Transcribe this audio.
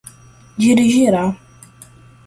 dirigirá